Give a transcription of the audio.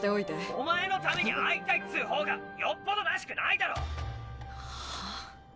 お前のために会いたいっつぅ方がよっぽどらしくないだろ！はあ？